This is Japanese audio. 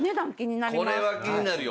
これは気になるよ。